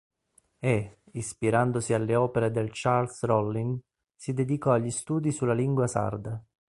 E, ispirandosi alle opere del Charles Rollin, si dedicò agli studi sulla lingua sarda.